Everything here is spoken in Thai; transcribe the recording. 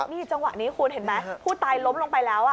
นี่จังหวะนี้คุณเห็นไหมผู้ตายล้มลงไปแล้ว